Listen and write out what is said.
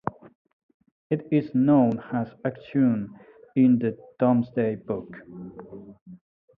It is known as Achetune in the Domesday Book.